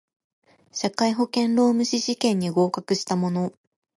社会保険労務士試験に合格した者